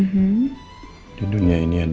beberapa tukang kamu ada di depan elsa